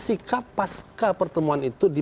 sikap pasca pertemuan itu di